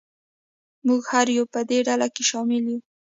موږ هر یو په دې ډله کې شامل یو.